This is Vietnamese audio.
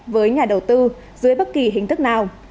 với nhà đầu tư dưới bất kỳ hình thức nào